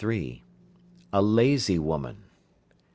A lazy woman. 34.